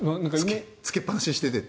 つけっぱなしにしててって。